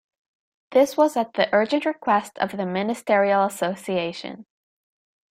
This was at the urgent request of the Ministerial Association.